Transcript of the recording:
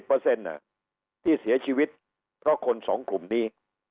๘๐๙๐อ่ะที่เสียชีวิตก็คน๒กลุ่มนี้